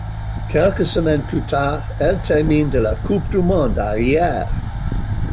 Quelques semaines plus tard, elle termine de la Coupe du Monde à Hyère.